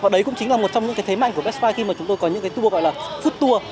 đấy cũng chính là một trong những thế mạnh của best buy khi mà chúng tôi có những tour gọi là food tour